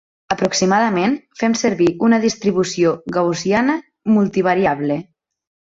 Aproximadament, fem servir una distribució gaussiana multivariable.